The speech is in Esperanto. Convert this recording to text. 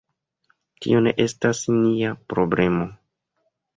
Tio ne estas nia problemo.